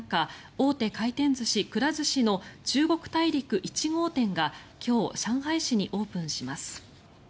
大手回転寿司チェーンくら寿司の中国大陸１号店が今日、上海市にオープンします。